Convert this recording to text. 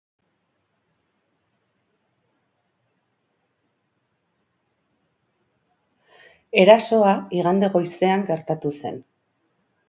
Erasoa igande goizean gertatu zen.